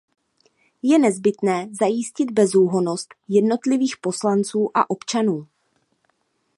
Je nezbytné zajistit bezúhonnost jednotlivých poslanců a občanů.